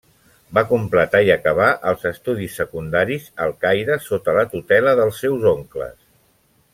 Va completar i acabar els estudis secundaris al Caire sota la tutela dels seus oncles.